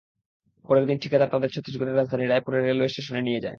পরের দিন ঠিকাদার তাঁদের ছত্তিশগড়ের রাজধানী রায়পুরের রেলওয়ে স্টেশনে নিয়ে যায়।